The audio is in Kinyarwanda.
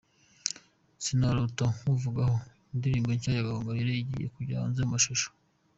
"Sinarota Nkuvaho", indirimbo nshya ya Gahongayire igiye kujya hanze mu mashusho :.